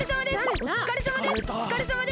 おつかれさまです！